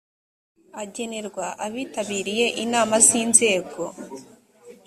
agenerwa abitabiriye inama z inzego